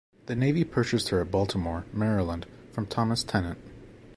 The Navy purchased her at Baltimore, Maryland, from Thomas Tennant.